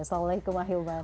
assalamualaikum wa hilman